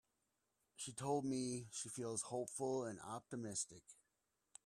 She told me she feels hopeful and optimistic.